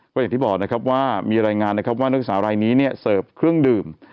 อย่างที่บอกว่ามีรายงานว่านักศึกษารายนี้เซิร์ฟเครื่องดื่ม